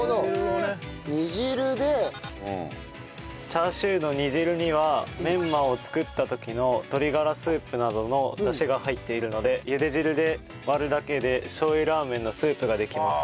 チャーシューの煮汁にはメンマを作った時の鶏がらスープなどのダシが入っているので茹で汁で割るだけでしょう油ラーメンのスープができます。